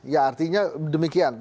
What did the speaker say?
ya artinya demikian